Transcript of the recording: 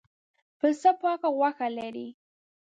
پسه پاکه غوښه لري.